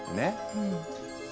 うん。